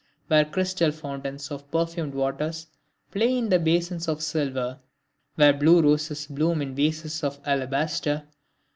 where crystal fountains of perfumed waters play in basins of silver... where blue roses bloom in vases of alabaster...